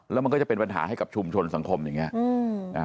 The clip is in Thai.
แล้วมันก็จะเป็นปัญหาให้กับชุมชนสังคมอย่างนี้